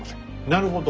なるほど。